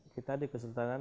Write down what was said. kita di kesultanan